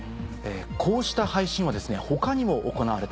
こうした配信は他にも行われています。